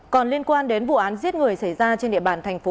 còn liên quan đến vụ án giết người xảy ra trên địa bàn thành phố